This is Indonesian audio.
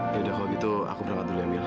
ya udah kalau gitu aku berangkat dulu ya mil